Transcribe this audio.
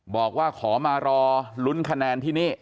บอกว่าขอมารอลุ้นคะแนนที่นี่